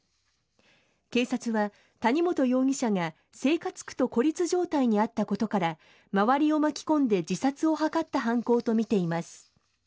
警察は谷本容疑者が生活苦と孤立状態にあったことから周りを巻き込んで自殺を図った犯行とみています。